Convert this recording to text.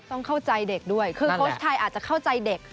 ต้องเข้าใจเด็กด้วยคือโค้ชไทยอาจจะเข้าใจเด็ก